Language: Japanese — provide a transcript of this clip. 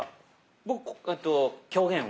僕えっと狂言を。